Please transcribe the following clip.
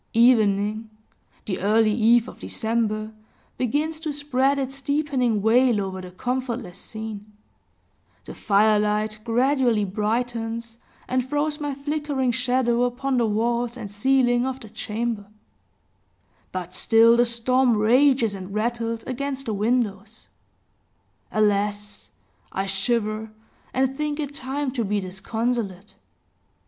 Evening the early eve of December begins to spread its deepening veil over the comfortless scene; the firelight gradually brightens, and throws my flickering shadow upon the walls and ceiling of the chamber; but still the storm rages and rattles, against the windows. Alas! I shiver, and think it time to be disconsolate.